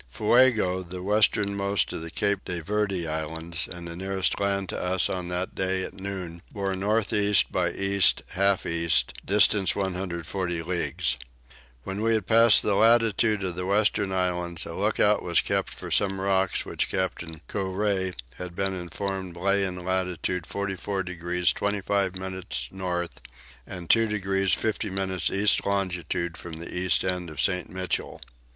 Fuego, the westernmost of the Cape de Verde islands and the nearest land to us on that day at noon bore north east by east half east, distance 140 leagues. When we had passed the latitude of the Western Islands a lookout was kept for some rocks which Captain Couvret had been informed lay in latitude 44 degrees 25 minutes north and 2 degrees 50 minutes east longitude from the east end of St. Michael.